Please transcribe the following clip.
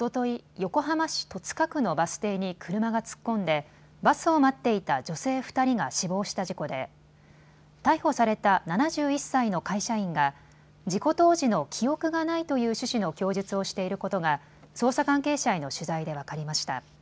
横浜市戸塚区のバス停に車が突っ込んでバスを待っていた女性２人が死亡した事故で逮捕された７１歳の会社員が事故当時の記憶がないという趣旨の供述をしていることが捜査関係者への取材で分かりました。